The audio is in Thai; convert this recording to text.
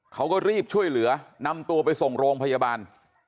เขาก็รีบช่วยเหลือนำตัวไปส่งโรงพยาบาล